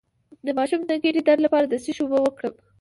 د ماشوم د ګیډې درد لپاره د څه شي اوبه ورکړم؟